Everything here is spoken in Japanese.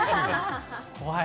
怖い。